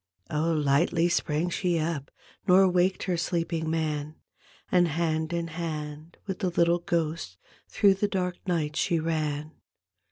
Oh, lightly sprang she up Nor waked her sleeping man, And hand in hand with the little ghost Through the dark night she ran.